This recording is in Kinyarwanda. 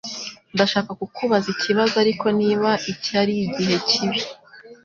Ndashaka kukubaza ikibazo ariko niba iki ari igihe kibi